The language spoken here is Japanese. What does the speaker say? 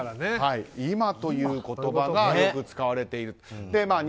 今という言葉がよく使われていると。